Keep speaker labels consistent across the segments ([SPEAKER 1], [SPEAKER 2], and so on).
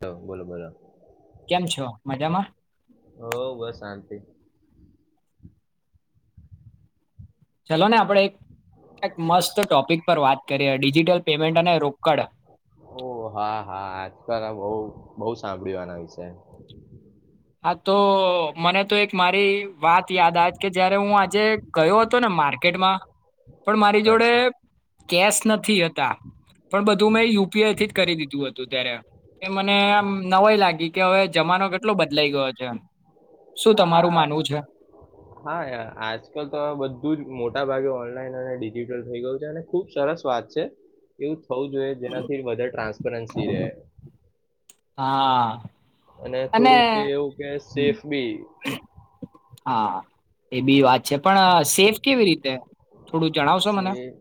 [SPEAKER 1] હૌ, બોલો બોલો.
[SPEAKER 2] કેમ છો? મજામાં?
[SPEAKER 1] ઓ બસ શાંતિ
[SPEAKER 2] ચલો ને આપડે એક એક મસ્ત ટોપિક પર વાત કરીએ. ડિજિટલ પેમેન્ટ અને રોકડ.
[SPEAKER 1] ઓ હા હા આજકાલ આ બહુ બહુ સાંભળ્યું આના વિશે.
[SPEAKER 2] હા તો, મને તો એક મારી વાત યાદ આવે છ, કે જયારે હું આજે ગયો હતો ને, માર્કેટમાં પણ મારી જોડે
[SPEAKER 1] અચ્છા
[SPEAKER 2] કેશ નથી હતા. પણ બધું મેં યુ પી આઈ થી જ કરી દીધું હતું ત્યારે. એ મને આમ નવાય લાગી કે હવે જમાનો કેટલો બદલાઈ ગયો છે શું તમારું
[SPEAKER 1] આ,
[SPEAKER 2] માનવું છે
[SPEAKER 1] હા, યાર આજકાલ તો બધું જ મોટા ભાગે ઓ ઓનલાઈન અને ડિજિટલ થઈ ગયું છે. અને ખુબ સરસ વાત છે, એવું થવું જોઈએ, જેનાથી વધારે ટ્રાન્સપરન્સી રહે.
[SPEAKER 2] હા
[SPEAKER 1] અને થોડું કે, એવું કે સેફ બી
[SPEAKER 2] હા એ બી વાત છે, પણ સેફ કેવી રીતે? થોડું જણાવશો મને?
[SPEAKER 1] સેફ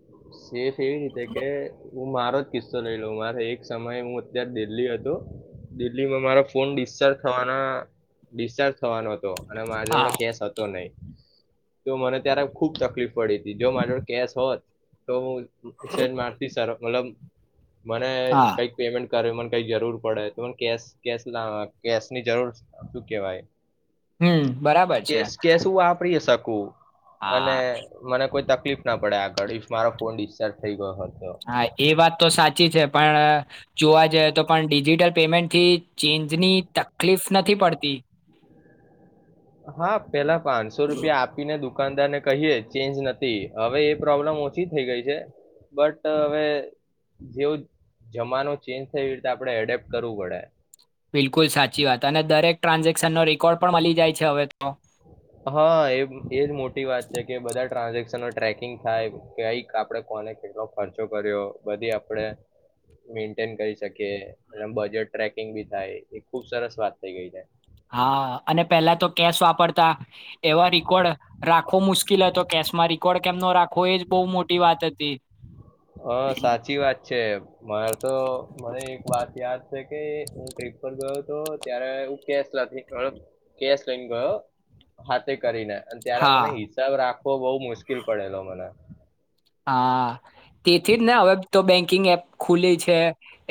[SPEAKER 1] સેફ એવી રીતે કે હું મારો જ કિસ્સો લઈ લઉ. મારે એક સમયે હું અત્યારે દિલ્હી હતો. દિલ્હીમાં મારો ફોન ડિસ્ચાર્જ થવાના ડિસ્ચાર્જ થવાનો હતો. અને માર
[SPEAKER 2] હા
[SPEAKER 1] જોડે કેસ હતો નહી. તો મને ત્યારે ખૂબ તકલીફ પડી તી. જો મારી જોડે કેસ હોત તો છેન મારથી સાર મતલબ મને
[SPEAKER 2] હા
[SPEAKER 1] કંઈક પેમેન્ટ કરે, મને કંઈ જરૂર પડે, તો કેસ, કેસ લા કેશની જરૂર, શું કેવાય
[SPEAKER 2] હમ, બરાબર છે.
[SPEAKER 1] કો અને
[SPEAKER 2] હા
[SPEAKER 1] મને કોઈ તક કલિપ ના પડે આગળ, ઈફ મારો ફોન ડિસ્ચાર્જ થઈ ગયો હોય.
[SPEAKER 2] હા, એ વાત તો સાચી છે પણ અહ જોવા જઈએ તો પણ ડિજિટલ પેમેન્ટથી ચેન્જની તકલીફ નથી પડતી.
[SPEAKER 1] હા. પેલા પાંચસો રૂપિયા આપી ને દુ કાનદાર ને કહીએ ચેન્જ નથી હવે એ પ્રોબ્લેમ ઓછી થઈ ગઈ છે બટ હવે જેવુ જમાનો ચેન્જ થય રીતે આપણે એડેપ્ટ કરવું પડે.
[SPEAKER 2] બિલકુલ સાચી વાત અને દરેક ટ્રાન્ઝેક્શન નો રેકોર્ડ પણ મલી જાય છે હવે તો
[SPEAKER 1] હા, એ એજ મોટી વાત છે કે બધા ટ્રાન્ઝક સન નો ટકિંગ થાય કક આપડે કોને કેટલો ખર્ચો કર્યો બધી આપડણે મેન્ટેન કરી શકીએ એ બજેટ ટ્રેકિંગ બી થાય એ ખુબ સરસ વાત થઈ ગઈ છે.
[SPEAKER 2] હા અને પેલા તો કેશ વાપરતા એવા રિકર્ડ રાખવો મુશ્કેલ હતો કેશમાં રિકર્ડ કેમનો રાખવો એજ બહુ મોટી વાત હતી.
[SPEAKER 1] હા સાચી વાત છે. માર તો મને એક વાત યાદ છે કે હું ટ્રીપ પર ગયો હતો ત્યારે હું કેશ લથી કેશ લઈને ગયો હાથે કરીને. ત્યારે મને
[SPEAKER 2] હા
[SPEAKER 1] હિસાબ રાખવો બહુ મુશ્કેલ પડેલો મને.
[SPEAKER 2] હા, તેથી જ ને હવે તો બેંકિંગ એપ ખુલી છે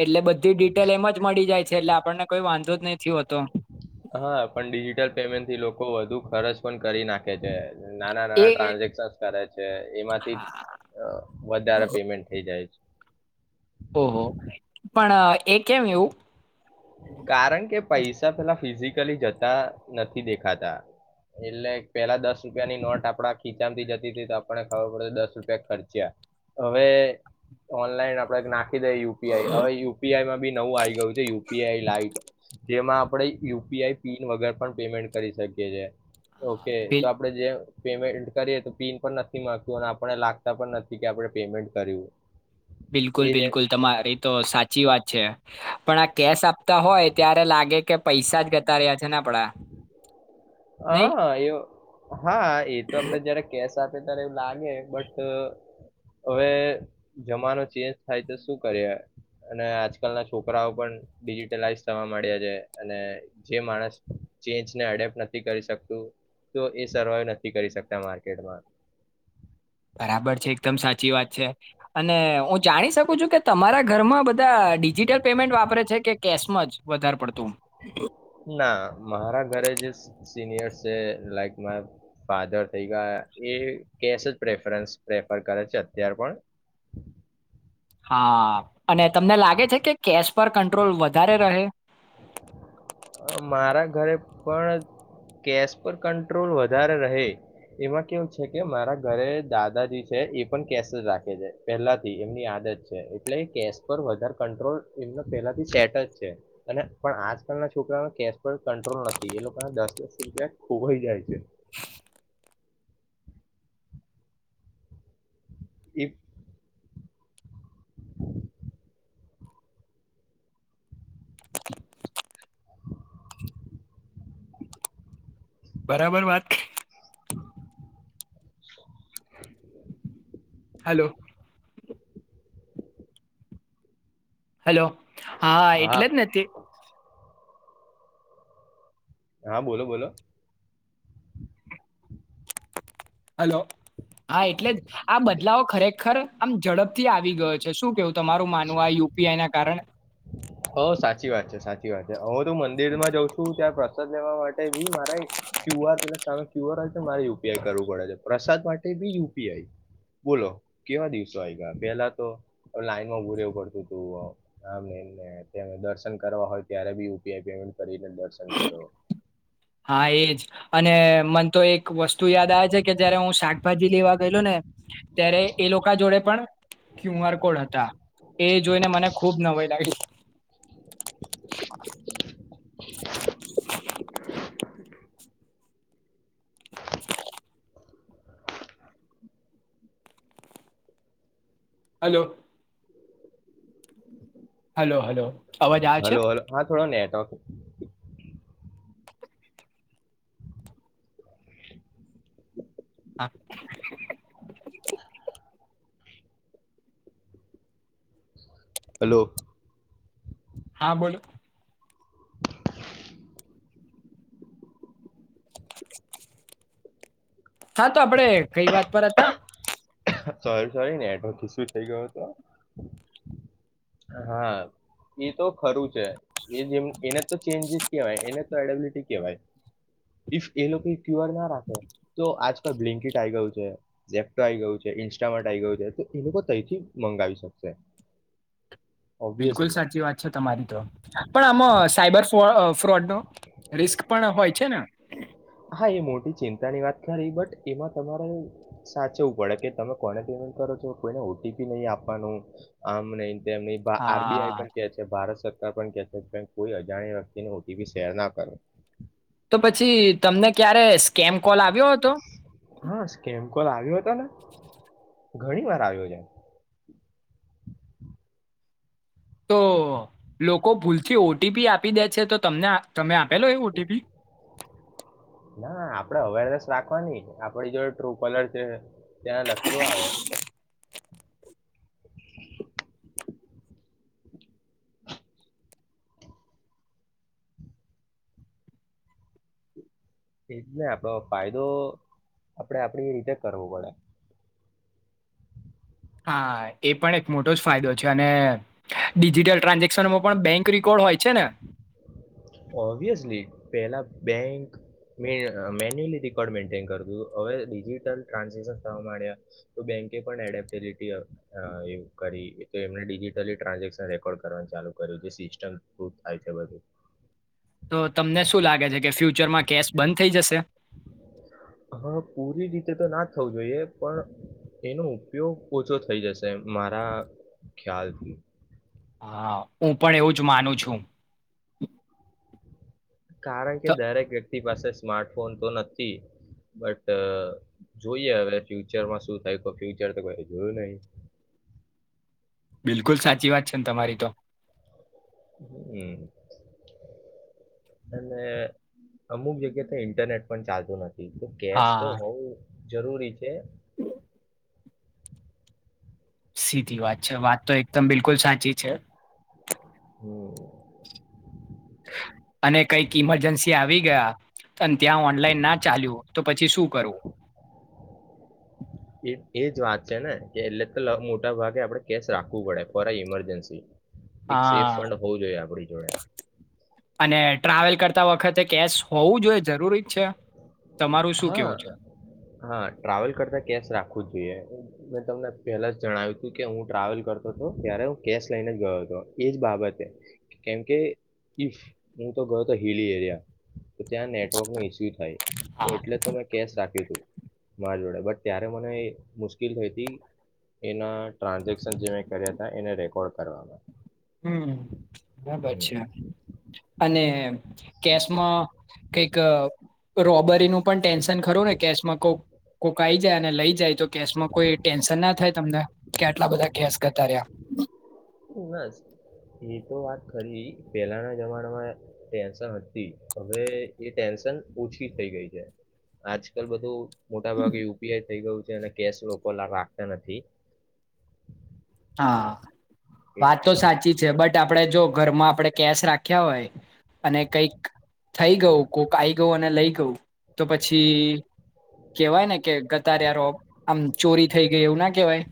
[SPEAKER 2] એટલે બધી ડિટેલ એમ જ મળી જાય છે એટલે આપ પણને કોઈ વાંધો જ નહીં થી હો
[SPEAKER 1] હા, પણ ડિજિટલ પેમેન્ટ થી લોકો વધુ ખર્ચ પણ કરી નાખે છે. નાના
[SPEAKER 2] એ
[SPEAKER 1] નાના ટ્રાન્ઝેક્શન કરે છે. એમાંથી અહ વધારે પેમેન્ટ થઈ જાય છે.
[SPEAKER 2] ઓહો. પણ એ કેમ એવું?
[SPEAKER 1] કારણ કે પૈસા પેલા ફિઝિક કલી જતા નથી દેખાતા એટલે પેલા દસ રૂપિયાની નોટ આપડા ખીચામાંથી જતી હતી તો આપણને ખબર પડ દસ રૂપિયા ખર્ચયા પણ હવે ઓનલાઈન આપણે નાખ ખી દઈએ યુ પી આઈ હવે યુ પી આઈ માં નવું આવી ગયું છે યુ એ લાઈટ જેમાં આપણે યુ પી આઈ પીન વગર પણ પેમેન્ટ કરી શકીએ છે. ઓકે
[SPEAKER 2] બિલ
[SPEAKER 1] તો આપડે જ્યાં પેમેન્ટ કરીએ તો પીન પણ નથી માંગતું અને આપને લાગતા પણ નથી કે આપણે પેમેન્ટ કર્યું.
[SPEAKER 2] બિલકુલ
[SPEAKER 1] એ
[SPEAKER 2] બિલકુલ તમારી તો સાચી વાત છે. પણ આ કેશ આપતા હોય ત્યારે લાગે કે પૈસા જ ગતા રહ્યા છે ને આ
[SPEAKER 1] હા એઓ હા એ તો આપડે જયારે કેશ [unintelligible] લાગે બટ અહ હવે જમાનો ચેન્જ થાય તો શું કરીએ અને આજકાલના છોકરાઓ પણ ડિજિટલાઈઝ થવા માંડ્યા છે અને જે માણસ ચેજને એડેપ્ટ નથી કરી શકતું તો એ સર્વાઈવ નથી કરી શકતા માર્કેટમાં.
[SPEAKER 2] બરાબર છે. એકદમ સાચી વાત છે અને હું જાણી શકું છું કે તમારા ઘરમાં બધા ડિજિટલ પેમેન્ટ વાપરે છે કે કેશમાં જ વધારે પડતું??
[SPEAKER 1] ના મારા ઘરે જે સિનિયર્સ છે લાઈક મા ફાધર થઈ ગયા એ કેસ જ પ્રેફરસ પ્રેફર કરે છે અત્યાર પણ
[SPEAKER 2] હા અને તમને લાગે છે કે કેશ પર કંટ્રોલ વધારે રહે.
[SPEAKER 1] મારા ઘરે. પણ કેશ પર કંટ્રોલ વધારે રહે એમાં કેવું છે કે મારા ઘરે દાદાજી છે એ પણ કેશ જ રાખે છે પહેલાથી એમની આદત છે એટલે કેશ પર વધારે કંટ્રોલ એમના પહેલાથી સેટ જ છે અને પણ આજકાલના છોકરા કેશ પર કંટ્રોલ નથી એ લોકોના દસ વીસ રૂપિયા ખોવાઈ જાય છે. [inaudible]
[SPEAKER 2] [inaudible] બરાબર વાત.
[SPEAKER 1] [inaudible]
[SPEAKER 2] હલો. હેલો હા એટલે જ [unintelligible]
[SPEAKER 1] હા બોલો બોલો.
[SPEAKER 2] હલો. હા એટલે જ આ બદલાવ ખરેખર આમ ઝડપથી આવી ગયો છે શું કેવ? તમારું માનવું આ યુપીઆઈ ના કારણે
[SPEAKER 1] હો સાચી વાત છે સાચી ત છે હવે તો મન દિન માં જઉ છું, ત્યાં પ્રસાદ લેવા માટે. વી મારા ક્યુ આર પે સામે ક્યુઆર હોય તો મારે યુપીઆઈ કરવું પડે છે પ્રસાદ માટે. બી યુપીઆઈ, બોલો કેવા દિવસો આવી ગયા! પેલા તો લાઈનમાં ઊભું રહેવું પડતું હતું, આમ એમ. દર્શન કરવા હોય ત્યારે બી યુપીઆઈ પેમેન્ટ કરીને દર્શન કરો.
[SPEAKER 2] હા, એજ. અને મન તો એક વસ્તુ યાદ આવે છે, કે જયારે હું શાકભાજી લેવા ગયેલો ને. ત્યારે એ લોકો જોડે પણ ક્યુ આર કોડ હતા, એ જોઈને મને ખુબ નવાઈ લાગી. [unintelligible]
[SPEAKER 1] [unintelligible]
[SPEAKER 2] [unintelligible] હલો. Hello, hello! અવાજ આવે છે
[SPEAKER 1] હલો, હલો! હા, થોડો નેટવર્ક [unintelligible] હ. [unintelligible]
[SPEAKER 2] અ [unintelligible]
[SPEAKER 1] હલો.
[SPEAKER 2] હા, બોલો. હા, તો આપડે કઈ વાત પર હતા?
[SPEAKER 1] સોરી, સોરી ને નેટવર્ક ઈશું થઇ ગયો હતો. હા, એ તો ખરું છે, એ જેમ એને તો ચેન્જીસ કહેવાય, એને તો એડબિલિટી કહેવાય. ઈફ એ લોકો ક્યુઅર ના રાખે, તો આજકાલ બ્લિંકટ આઈ ગયું છે, લેપટોપ આઈ ગયું છે, ઇન્સ્ટા માટેર્ટ આ આવી ગયું છે, તો એ લોકો તેથી મંગાવી શકશે.
[SPEAKER 2] બિલકુલ
[SPEAKER 1] ઓબ્વિયસલી
[SPEAKER 2] સાચી વાત છે તમારી, તો પણ આમાં સાયબર ફ ફ્રોડનો. રિસ્ક પણ હોય છે ને?
[SPEAKER 1] હા, એ મોટી ચિંતાની વાત ખરી, બટ એમાં તમારે સાચવવું પડે કે તમે કોને પેમેન્ટ કરો છો, કોઈને ઓટીપી નહીં આપવાનું, આમ નહીં. તેમની
[SPEAKER 2] હા
[SPEAKER 1] આરબીઆઈ પણ કહે છે, ભારત સરકાર પણ કોઈ અજાણી વ્યક્તિને ઓટીપી શેર ના કરો.
[SPEAKER 2] તો પછી તમને ક્યારે? સ્કેમ કોલ આવ્યો હતો
[SPEAKER 1] હા, કેમ કોલ આવ્યો હતો ને? ઘણી વાર આવ્યો છે.
[SPEAKER 2] તો લોકો ભૂલથી ઓટીપી આપી દે છે, તો તમને તમે આપેલો એ ઓટીપી
[SPEAKER 1] ના આપણેે અવેરનેસ રાખવાની, આપડી જે ટુકલર છે, તેને લખેલું આવે. એ જ ને, આપડો ફાયદો, આપણેે આપડી એ રીતે કરવો પડે.
[SPEAKER 2] હા, એ પણ એક મોટો જ ફાયદો છે, અને ડિજિટલ ટ્રાન્ઝેક્શનમાં પણ બેંક રકોર્ડ હોય છે ને?
[SPEAKER 1] ઓબ્વિયસલી, પેલા બેંક મે મેન્યુઅલી રેકોર્ડ મેન્ટેન કરતું હતું, હવે ડિજિટલ ટ્રાન્ઝેક્શન થવા માંડ્યા, તો બેંકે પણ એડેપ્ટબટી કરી, એમને ડિજિટલી ટ્રાન્ઝેક્શન રેકોર્ડ કરવાનું ચાલુ કર્યું. સિસ્ટમ થાય છે બું?
[SPEAKER 2] તો તમને શું લાગે છે કે ફ્યુચરમાં કેશ બંધ થઈ જશે
[SPEAKER 1] હા પૂરી રીતે તો ના થવું જોઈએ પણ એનો ઉપયોગ ઓછો થઈ જશે મારા ખ્યાલથી
[SPEAKER 2] હા હું પણ એવું જ માનું છું
[SPEAKER 1] કારણ કે
[SPEAKER 2] તો
[SPEAKER 1] દરેક આપ પાસે સ્માર્ટફોન તો નથી બટ જોઈએ હવે ફ્યુચરમાં શું થાય ફ્યુચર તો જોયું નહી
[SPEAKER 2] બિલકુલ સાચી વાત છે છે તમારી તો
[SPEAKER 1] હમ અને અમુક જગ્યા તો ઇન્ટરનેટ પણ ચાલતુ નથી કેસ તો
[SPEAKER 2] હા
[SPEAKER 1] હોવ જરૂરી છે
[SPEAKER 2] સીધી વાત છે વાત તો એકદમ બિલકુલ સાચી છે
[SPEAKER 1] હમ
[SPEAKER 2] અને કઈક ઈમરજન્સી આવી ગયા અને ત્યાં ઓનલાઈન ના ચાલ્યું તો પછી શું કરું
[SPEAKER 1] એ એજ વાત છે ને કે એટલે તો મોટા ભાગે આપડે કેસ રાખવું પડે ફોર ઇમરજન્સી એક સેફ
[SPEAKER 2] હા
[SPEAKER 1] ફંડ હોવું જોઈએ આપડી જોડે
[SPEAKER 2] અને ટ્રાવેલ કરતા વખતે કેશ હોવું જોઈએ જરૂરી જ છે તમારું શું
[SPEAKER 1] હા
[SPEAKER 2] કેવું છે?
[SPEAKER 1] હા ટ્રાવેલ કરતા કેશ રાખું જ મેં તમને પહેલા જ જણાવ્યું હતું કે હું ટ્રાવેલ કરતો હતો ત્યારે હું કેશ લઈને જ ગયો હતો એજ બાબતે કેમકે ઈફ હું તો ગયો હતો હિલી એરિયા તો ત્યાં નેટવર્ક નો ઈસ્યુ થાય તો એટલે તો મે કેશ રાખ મારા જોડે બટ ત્યારે મને મુશ્કેલ થઈ હતી એના ટ્રાન્ઝેક્શન જે મેં કર્યા હતા એને રેકોર્ડ કરવામાં
[SPEAKER 2] હમ બરાબર
[SPEAKER 1] હમ
[SPEAKER 2] છે અને કેશમાં કઈક રોબરી નું પણ ટેન્શન ખરું ને કેશમાં કોઈક કોઈક આઈ જાય અને લઈ જાય તો કેશમાં કોઈ ટેન્શન ના થાય તમને કે આટલા બધા કેસ ગતા રહ્યા
[SPEAKER 1] બસ એ તો વાત ખરી પેલાના જમાનામાં ટેન્શન હતી હવે એ ટેન્શન ઓછી થઈ ગઈ છે આજકાલ બધું મોટા ભાગે યુપીઆઈ થઈ ગયું છે અને કેશ ર રાખતા નથી
[SPEAKER 2] હા વાત તો
[SPEAKER 1] એટલે
[SPEAKER 2] સાચી છે બટ આપ આપડણે જો ઘરમાં આપણેે કેશ રાખ્યા હોય અને કઈક થઈ ગયું કોઈક આઈ ગયું અને લઈ તો પછી કેવાય ને કે ગતાર રો આમ ચોરી થઈ ગઈ એવું ના કેવાય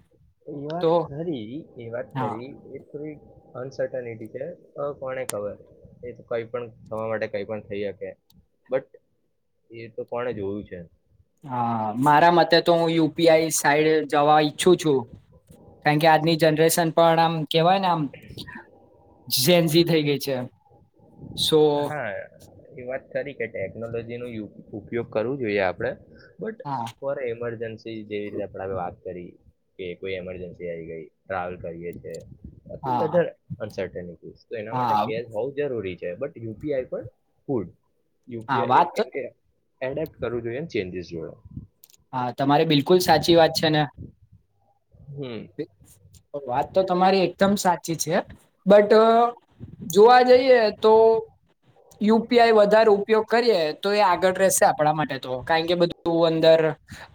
[SPEAKER 1] એ વાત
[SPEAKER 2] તો
[SPEAKER 1] ખરી એ વાત
[SPEAKER 2] હા
[SPEAKER 1] કરીવી થોડી અનસર્ટનિટી છે કોને ખબર એ તો કઈ પણ થવા માટે કઈ પણ થઈ શકે બટ એ તો કોને જોયું છે
[SPEAKER 2] હા મારા મતે તો હું યુપીઆઈ સાઈડ જવા ઈચ્છું છું કારણ કે આજની જનરેશન પણ આમ કેવાય ને આમ ઝનઝી થઈ ગઈ છે સો
[SPEAKER 1] હા એ વાત ખરી કે ટેકનોલોજી ન ઉપયોગ કરવું જોઈએ આપડણે બટ
[SPEAKER 2] હા
[SPEAKER 1] ફોર એમરજન્સી જેવી રીતે આપ વાત કરી કે કોઈ એમરજન્સી આવી ગઈ ટ્રાવેલ કરીએ છે.
[SPEAKER 2] હા
[SPEAKER 1] [unintelligible] તો એના
[SPEAKER 2] હા
[SPEAKER 1] માટે કેશ હોવ જરૂરી છે. કે બટ યુ પી આઈર પર પુલ યુ પી
[SPEAKER 2] હા
[SPEAKER 1] આઈ એ
[SPEAKER 2] વાત
[SPEAKER 1] કેમ કે એડેપ્ટ કરવું જોઈએ ચેન્જીસ જોય
[SPEAKER 2] હા તમારી બિલકુલ સાચી વાત છે ને
[SPEAKER 1] હમ
[SPEAKER 2] વાત તો તમારી એકદમ સાચી છે. બટ જોવા જઈએ તો યુ પી આઈ વધારે ઉપયોગ કરીએ તો એ આગળ રહેશે આપણા માટે તો કારણ કે બધું અંદર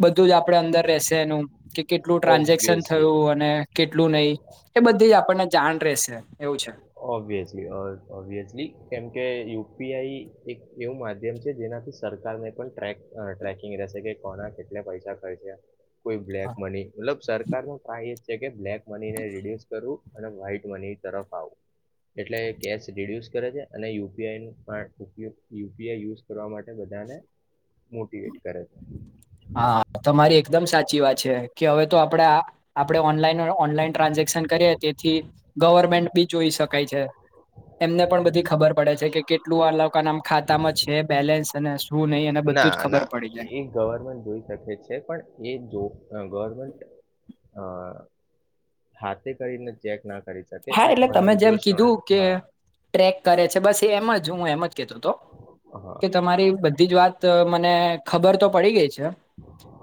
[SPEAKER 2] બધું જ આપડે અંદર રહેશે એનું કે કેટલું ટ્રાન્ઝેક્શન
[SPEAKER 1] ઓબ્વિયસલી
[SPEAKER 2] થયું અને કેટલું નહી એ બધી આપણને જાણ રહેશે. [unintelligible]
[SPEAKER 1] ઓબ્વિયસલી ઓબ્વિયસલી કેમ કેય યુ પી આઈ એક એવું માધ્યમ છે જેનાથી સરકારને પણ ટક ટ્રેકિંગ રહેશે કે કોના કેટલા પૈસા ખર્ચા છે. કોઈ બ્લેક મની મતલબ સરકાર ન ટ જે કે બ્લેક મની ને રીડ્યુસ કરવું. અને વ્હાઈટ મની તરફ આવુ. એટલે કેશ રિડ્યુસ કરે છે અને U P I U P I use કરવા માટે બધાને મોટીવેટ કરે છે.
[SPEAKER 2] હા તમારી એકદમ સાચી વાત છે કે હવે તો આપડે આ આપડે ઓનલાઈન ઓનલાઈન ટ્રાન્ઝેક્શન કરીએ તેથી ગવર્મેન્ટ બી જોઈ શકાય છે. એમને પણ બધી
[SPEAKER 1] સાચી
[SPEAKER 2] ખબર પડે છે કે કેટલું આ લોકો નામ ખાતામાં છે બેલેન્સ અને શું નહીં અને બધું જ
[SPEAKER 1] ના
[SPEAKER 2] ખબર
[SPEAKER 1] ના
[SPEAKER 2] પડી જાય
[SPEAKER 1] એ ગવર્મેન્ટ જોઈ શકે છે, પણ એ જો ગવર્મેન્ટ અ હાથે કરીને ચેક નાખ
[SPEAKER 2] હા એટલે તમે જેમ કીધું કે
[SPEAKER 1] હા
[SPEAKER 2] ટ્રેક કરે છે બસ એ એમ જ હું એમ જ કેતોતો
[SPEAKER 1] હા
[SPEAKER 2] કે તમારી બધી જ વાત ત મને ખબર તો પડી ગઈ છે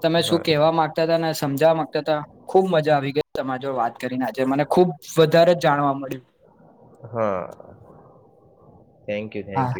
[SPEAKER 2] તમે શું
[SPEAKER 1] હા
[SPEAKER 2] કહેવા માંગતા હતા ને સમજવા માંગતા હતા ખુબ મજા આવી ગઈ તમા જોડે વાત કરીને આજે મને ખુબ [unintelligible] જાણવા મળ્યું.
[SPEAKER 1] હા થેન્ક યુ
[SPEAKER 2] હા
[SPEAKER 1] થેન્ક યુ.